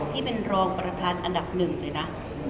ที่เป็นรองประธานอันดับหนึ่งเลยนะ